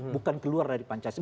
bukan keluar dari pancasila